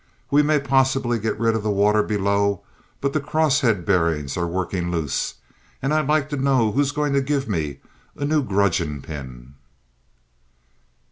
"We may possibly get rid of the water below, but the crosshead bearings are working loose, and I'd like to know who's going to give me a new gudgeon pin?"